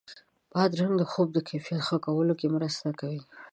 بادرنګ د خوب د کیفیت ښه کولو کې مرسته کوي.